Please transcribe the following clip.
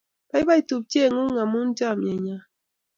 Baibai tupchengung amu chamyenyo